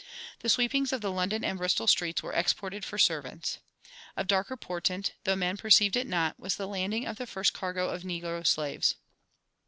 The sweepings of the London and Bristol streets were exported for servants. Of darker portent, though men perceived it not, was the landing of the first cargo of negro slaves.